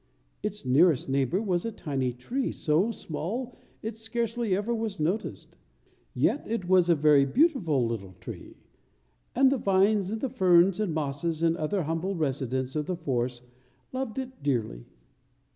Its nearest neighbor was a tiny tree, so small it scarcely ever was noticed; yet it was a very beautiful little tree, and the vines and ferns and mosses and other humble residents of the forest loved it dearly.